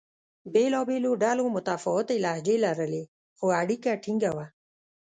بېلابېلو ډلو متفاوتې لهجې لرلې؛ خو اړیکه ټینګه وه.